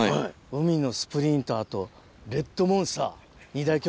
海のスプリンターとレッドモンスター二大巨頭が。